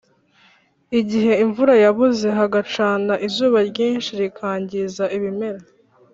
Igihe imvura yabuze hagacana izuba ryinshi rikangiza ibimera